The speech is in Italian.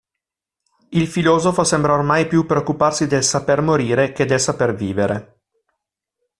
Il filosofo sembra ormai più preoccuparsi del "saper morire" che del "saper vivere".